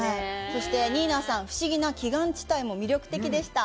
そして、ニーナさん、不思議な奇岩地帯も魅力的でした。